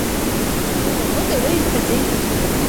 Ыы, Мыта иуеимҳәаӡеи?